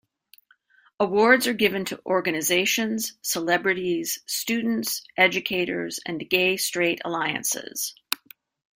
Awards are given to organizations, celebrities, students, educators and gay-straight alliances.